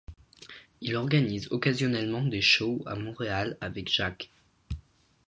Il organise occasionnellement des shows à Montréal avec Jacques.